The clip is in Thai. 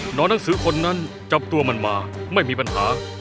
หนังสือคนนั้นจับตัวมันมาไม่มีปัญหา